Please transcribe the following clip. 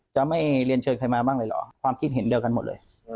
จะไม่เรียนเชิญใครมาบ้างเลยเหรอความคิดเห็นเดียวกันหมดเลย